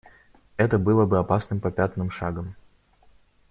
Это было бы опасным попятным шагом.